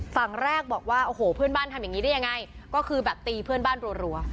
ฝั่งแรกบอกว่าโอ้โหเพื่อนบ้านทำอย่างนี้ได้ยังไงก็คือแบบตีเพื่อนบ้านรัว